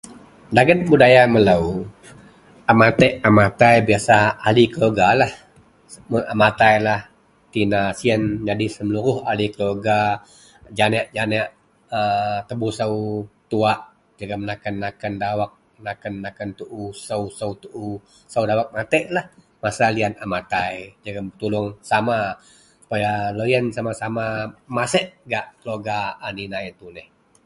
Dagen budaya melou a matiek a matai biasa ahli keluargalah. Mun a matailah tina siyen. Jadi seluruh ahli keluarga, janeak-janeak aaa tebusou, tuwak jegem naken-naken dawek, naken-naken tuu, sou-sou tuu, sou dawek mateklah masa liyan a matai jegem tuluong sama supaya loyen sama-sama masek gak keluarga a ninai yen tuneh